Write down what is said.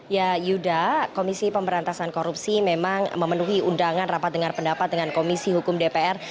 ya yuda komisi pemberantasan korupsi memang memenuhi undangan rapat dengar pendapat dengan komisi hukum dpr